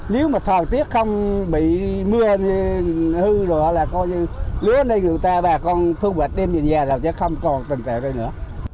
nếu mà thời tiết không bị mưa hư rồi là coi như lứa này người ta bà con thu hoạch đêm nhìn nhà là sẽ không còn tình trạng đây nữa